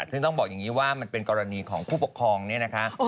ซึ่งต้องบอกอย่างนี้ว่ามันเป็นกรณีของผู้ปกครองเนี่ยนะคะ